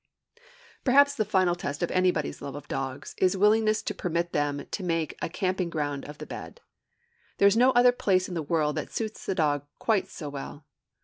Perhaps the final test of anybody's love of dogs is willingness to permit them to make a camping ground of the bed. There is no other place in the world that suits the dog quite so well.